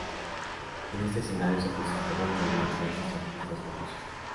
En este escenario se presentó Bon Jovi entre otros artistas famosos.